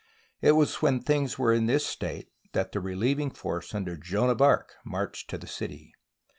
It was when things were in this state that the re lieving force under Joan of Arc marched to the city.